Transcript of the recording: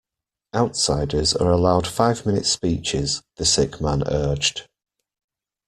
Outsiders are allowed five minute speeches, the sick man urged.